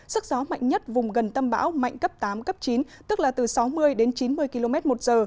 sức gió mạnh nhất vùng gần tâm bão mạnh cấp tám cấp chín tức là từ sáu mươi đến chín mươi km một giờ